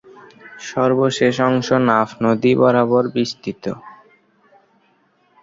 সর্বশেষ অংশ নাফ নদী বরাবর বিস্তৃত।